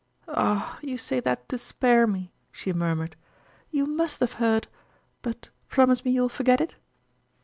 " Ah ! you say that to spare me," she mur mured ;" you must have heard ; but, promise me you will forget it